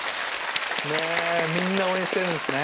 みんな応援してるんですね。